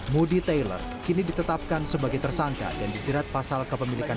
moody taylor kini ditetapkan sebagai tersangka dan dijerat pasal kepemilikan